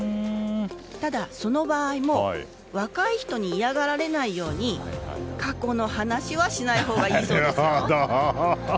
ただ、その場合も若い人に嫌がられないように過去の話はしないほうがいいそうですよ。